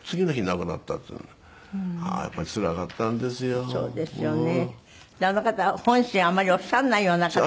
そうですよね。